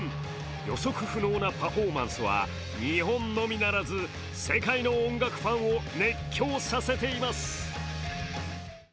予測不能なパフォーマンスは日本のみならず、世界の音楽ファンを熱狂させています。